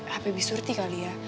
hp bi surti kali ya